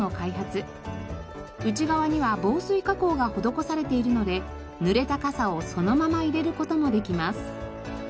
内側には防水加工が施されているのでぬれた傘をそのまま入れる事もできます。